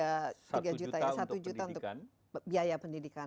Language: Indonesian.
rp satu juta untuk pendidikan